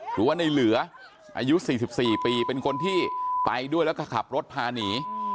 หรือว่าในเหลืออายุ๔๔ปีเป็นคนที่ไปด้วยแล้วก็ขับรถพาหนี